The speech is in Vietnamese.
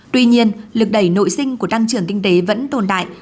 tuy nhiên lực đẩy nội sinh của tăng trưởng kinh tế vẫn tồn tại